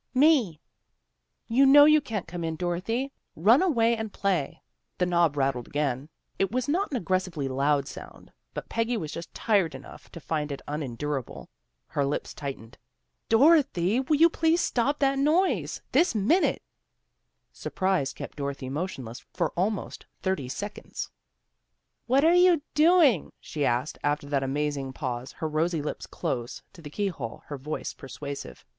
" "Me." ' You know you can't come in, Dorothy. Run away and play." The knob rattled again. It was not an ag gressively loud sound, but Peggy was just tired enough to find it unendurable. Her lips tight ened. " Dorothy, will you stop that noise? This minute! " Surprise kept Dorothy motionless for almost thirty seconds. " What you doing? " she asked, after that amazing pause, her rosy lips close to the key hole, her voice persuasive.